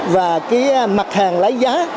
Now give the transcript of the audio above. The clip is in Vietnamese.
và cái mặt hàng lấy giá